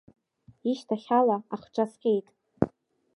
Ишьҭахь ала ахҿа сҟьеит.